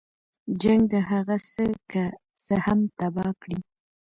جنګ د هغه څه که څه هم تباه کړي.